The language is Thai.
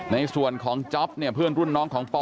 ในส่วนของจ๊อปเนี่ยเพื่อนรุ่นน้องของปอ